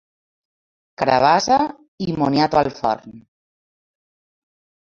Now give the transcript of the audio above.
Carabassa i moniato al forn.